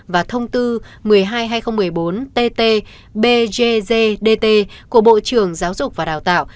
và thông tư một mươi hai hai nghìn một mươi bốn ttbgzdt của bộ trường giáo dục và đào tạo